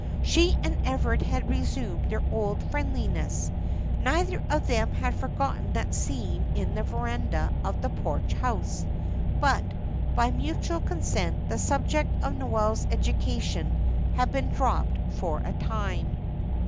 She and Everard had resumed their old friendliness; neither of them had forgotten that scene in the verandah of the Porch House, but, by mutual consent, the subject of Noel's education had been dropped for a time.